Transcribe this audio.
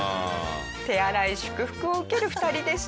手荒い祝福を受ける２人でした。